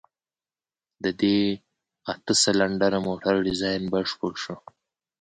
د دې اته سلنډره موټر ډيزاين بشپړ شو.